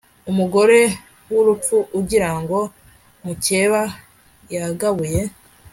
umugore w'umupfu agirango mukeba yagabuye